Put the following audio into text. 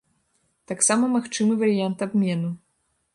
Таксама магчымы варыянт абмену.